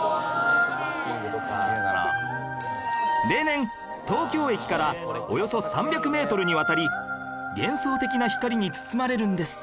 例年東京駅からおよそ３００メートルにわたり幻想的な光に包まれるんです